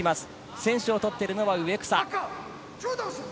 先取をとっているのは植草。